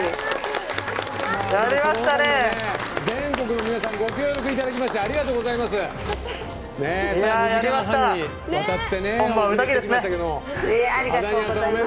全国の皆さんご協力いただきましてありがとうございます。